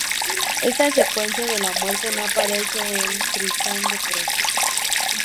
Esta secuencia de la muerte no aparece en el Tristán de prosa.